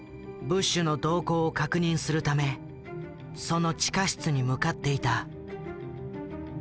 ブッシュの動向を確認するためその地下室に向かっていた。